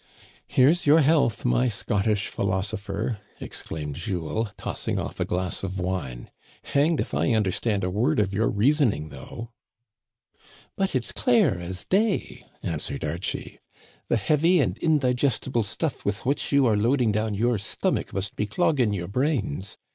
Here's your health, my Scottish philosopher," ex claimed Jules, tossing off a glass of wine. Hanged if I understand a word of your reasoning though." "But it's clear as day," answered Archie. "The heavy and indigestible stuff with which you are loading down your stomach must be clogging your brains.